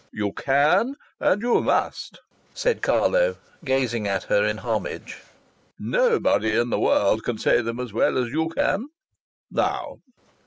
"You can, and you must," said Carlo, gazing at her in homage. "Nobody in the world can say them as well as you can. Now!"